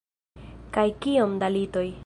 Kaj kiom da litoj.